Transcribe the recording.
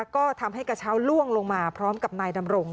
ก็ทำให้กระเช้าล่วงลงมาพร้อมกับนายดำรง